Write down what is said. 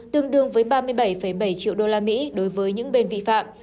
tương đương với ba mươi bảy bảy triệu usd đối với những bên vị phạm